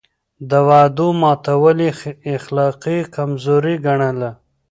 د وعدو ماتول يې اخلاقي کمزوري ګڼله.